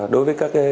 đối với các cái